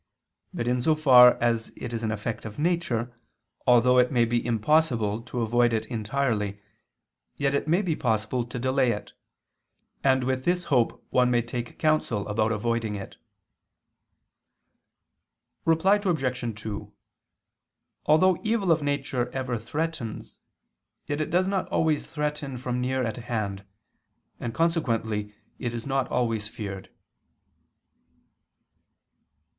But in so far as it is an effect of nature, although it may be impossible to avoid it entirely, yet it may be possible to delay it. And with this hope one may take counsel about avoiding it. Reply Obj. 2: Although evil of nature ever threatens, yet it does not always threaten from near at hand: and consequently it is not always feared.